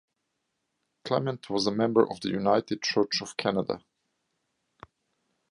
Clement was a member of the United Church of Canada.